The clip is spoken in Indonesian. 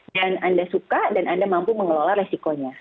dan anda suka dan anda mampu mengelola resikonya